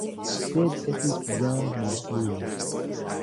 Sed estis jam malfrue.